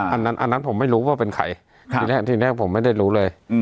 อันนั้นผมไม่รู้ว่าเป็นใครที่แรกผมไม่ได้รู้เลย